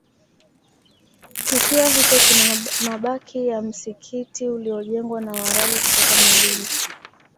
kisiwa hicho kina mabaki ya msikiti uliojengwa na Waarabu kutoka Malindi